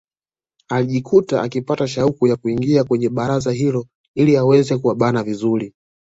Alijikuta akipata shauku ya kuingia kwenye baraza hilo ili aweze kuwabana vizuri